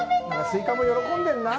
スイカも喜んでるな。